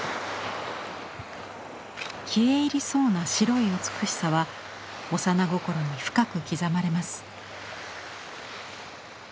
消え入りそうな白い美しさは幼心に深く刻まれます。